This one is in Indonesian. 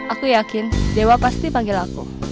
aku yakin dewa pasti panggil aku